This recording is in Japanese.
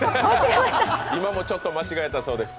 今もちょっと間違えたそうです。